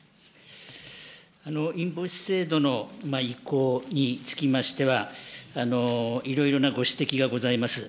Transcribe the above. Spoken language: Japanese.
インボイス制度の移行につきましては、いろいろなご指摘がございます。